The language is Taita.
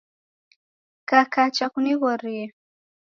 Kakacha kunighorie